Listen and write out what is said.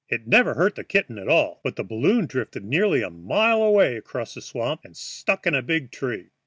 It never hurt the kitten at all. But the balloon drifted nearly a mile away across a swamp and stuck in a big tree.